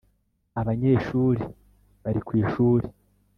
Abanyeshuri bari ku ishuri